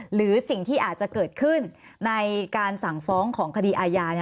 หรือสิ่งที่อาจจะเกิดขึ้นในการสั่งฟ้องของคดีอาญา